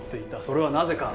それはなぜか？